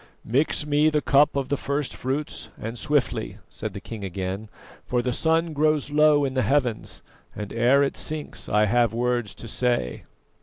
"Mix me the cup of the first fruits, and swiftly," said the king again, "for the sun grows low in the heavens, and ere it sinks I have words to say."